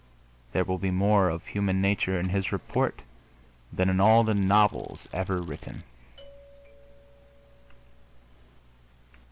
There will be more of human nature in his report than in all the novels ever written.